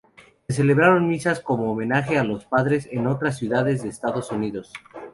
Se celebraron misas como homenaje a los padres en otras ciudades de Estados Unidos.